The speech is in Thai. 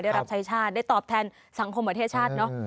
ได้รับใช้ชาติได้ตอบแทนสังคมประเทศชาติเนอะ